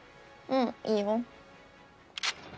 うんいいよ。